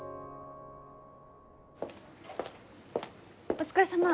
お疲れさま。